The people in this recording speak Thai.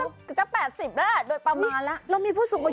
๓ฟองพอโอ้โฮค่ะ